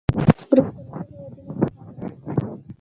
• وروسته نورو هېوادونو ته هم وغځېد.